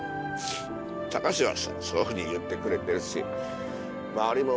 隆はさそういうふうに言ってくれてるし。